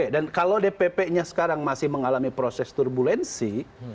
dan kalau dpp nya sekarang masih mengalami proses turbulensi